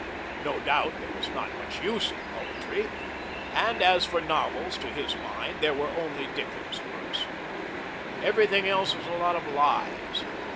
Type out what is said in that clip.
No doubt, there was not much use in poetry, and as for novels, to his mind, there were only Dickens's works. Everything else was a lot of lies.